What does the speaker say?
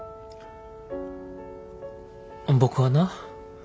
僕はな